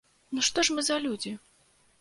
Ну, што ж мы за людзі?!